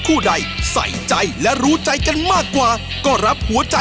คุณแมวครับ